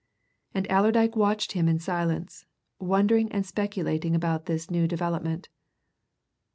And Allerdyke watched him in silence, wondering and speculating about this new development.